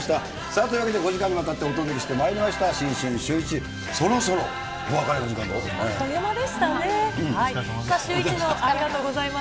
というわけで、５時間にわたってお届けしてまいりました、新春シューイチ、そろそろお別れの時間でございます。